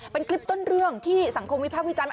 เป็นคลิปต้นเรื่องที่สังคมวิพากษ์วิจารณ์